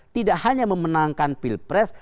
tidak hanya memenangkan pilpres